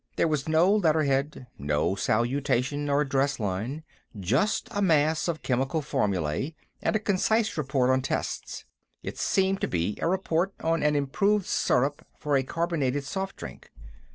There was no letterhead, no salutation or address line. Just a mass of chemical formulae, and a concise report on tests. It seemed to be a report on an improved syrup for a carbonated soft drink.